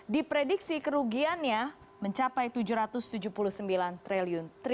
di prediksi kerugiannya mencapai tujuh ratus tujuh puluh sembilan triliun